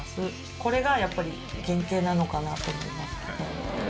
これがやっぱり原型なのかなと思います。